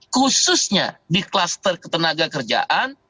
khususnya di kluster ketenaga kerjaan